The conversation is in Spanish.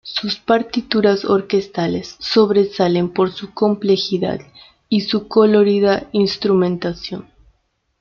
Sus partituras orquestales sobresalen por su complejidad y su colorida instrumentación.